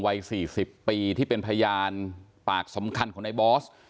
วัย๔๐ปีที่เป็นพยานปากสำคัญของในบอส